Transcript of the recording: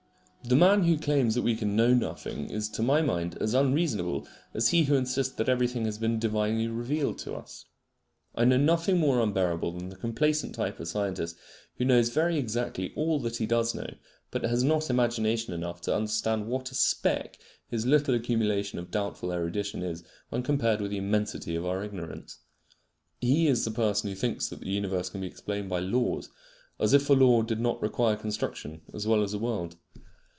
The man who claims that we can know nothing is, to my mind, as unreasonable as he who insists that everything has been divinely revealed to us. I know nothing more unbearable than the complacent type of scientist who knows very exactly all that he does know, but has not imagination enough to understand what a speck his little accumulation of doubtful erudition is when compared with the immensity of our ignorance. He is the person who thinks that the universe can be explained by laws, as if a law did not require construction as well as a world!